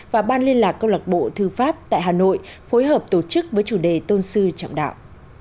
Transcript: và ban liên lạc câu lạc bộ thư pháp tại hà nội phối hợp tổ chức với chủ đề tôn sư trọng đạo